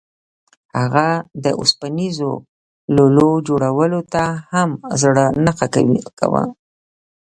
هغه د اوسپنیزو لولو جوړولو ته هم زړه نه ښه کاوه